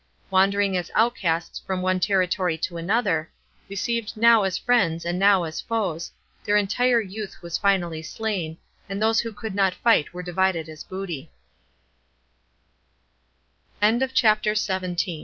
Wandering as outcasts from one territory to another, received now as friends and now as foes, their entire youth was finally slain, and those who could not tight were divide